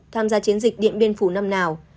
tham gia chiến dịch điện biên phủ năm nào